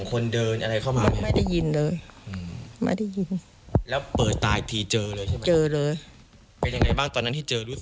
เพื่อนตรงหน้าตรงนั้น